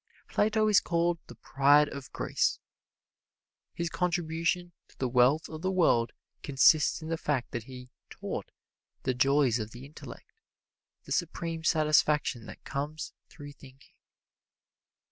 Plato is called the "Pride of Greece." His contribution to the wealth of the world consists in the fact that he taught the joys of the intellect the supreme satisfaction that comes through thinking.